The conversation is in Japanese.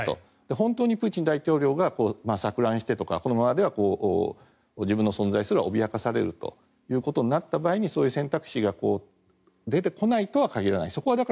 本当にプーチン大統領が錯乱してとか、このままでは自分の存在すら脅かされるということになった場合にそういう選択肢が出てこないとは限らない。